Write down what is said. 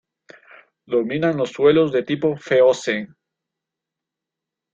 Dominan los suelos de tipo feozem.